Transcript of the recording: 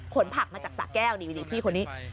ผักมาจากสะแก้วนี่พี่คนนี้